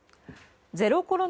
ゼロコロナ